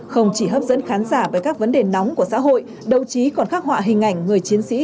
không chỉ hấp dẫn khán giả với các vấn đề nóng của xã hội đồng chí còn khắc họa hình ảnh người chiến sĩ